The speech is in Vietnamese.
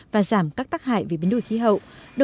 và giảm các tác hại về biến đổi khí hậu